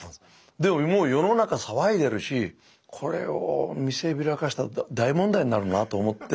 でももう世の中騒いでるしこれを見せびらかしたら大問題になるなと思って。